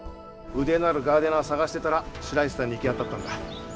腕のあるガーデナー探してたら白石さんに行き当たったんだ。